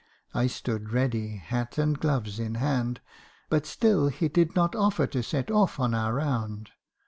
I stood ready, hat and gloves in hand; but still he did not offer to set off on our round.